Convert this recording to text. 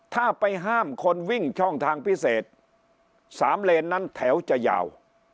ถ้าไปห้ามคนวิ่งช่องทางพิเศษ๓เลนนั้นแถวจะยาว